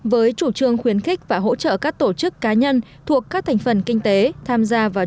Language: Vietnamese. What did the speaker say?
với chủ trương khuyến khích và hỗ trợ các tổ chức cá nhân thuộc các thành phần kinh tế tham gia vào